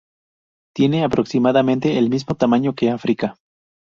Tiene aproximadamente el mismo tamaño que África.